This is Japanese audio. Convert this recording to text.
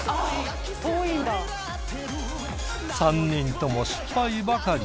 ３人とも失敗ばかり。